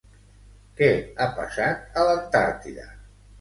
Què ha passat a l'Antàrtida?